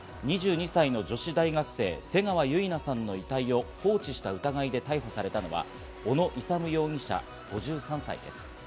２２歳の女子大学生・瀬川結菜さんの遺体を放置した疑いで逮捕されたのは、小野勇容疑者、５３歳です。